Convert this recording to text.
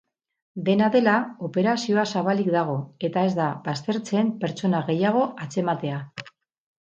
Dena dela, operazioa zabalik dago eta ez da baztertzen pertsona gehiago atzematea.